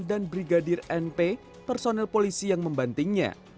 dan brigadir np personel polisi yang membantingnya brigadir np meminta